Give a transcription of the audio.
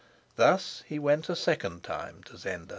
Thus he went a second time to Zenda.